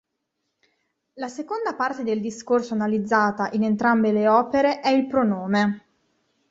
La seconda parte del discorso analizzata in entrambe le opere è il pronome.